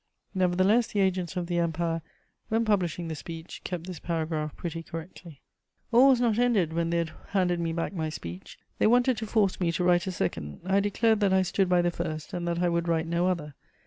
Nevertheless, the agents of the Empire, when publishing the speech, kept this paragraph pretty correctly. All was not ended when they had handed me back my speech; they wanted to force me to write a second. I declared that I stood by the first, and that I would write no other.